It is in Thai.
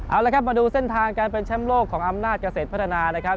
เอาละครับมาดูเส้นทางการเป็นแชมป์โลกของอำนาจเกษตรพัฒนานะครับ